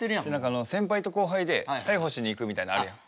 あの先輩と後輩で逮捕しに行くみたいなあるやん。